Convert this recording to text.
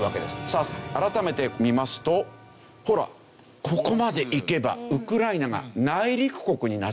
さあ改めて見ますとほらここまで行けばウクライナが。